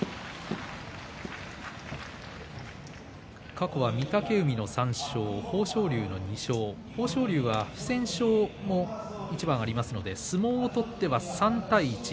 過去は御嶽海の３勝豊昇龍の２勝豊昇龍は不戦勝も一番ありますので相撲を取っては３対１。